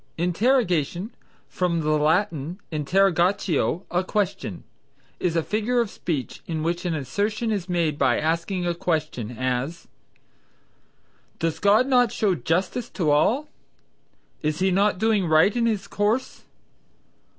Interrogation (from the Latin interrogatio, a question), is a figure of speech in which an assertion is made by asking a question; as, "Does God not show justice to all?" "Is he not doing right in his course?"